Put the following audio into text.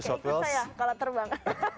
oke ikut saya kalau terbang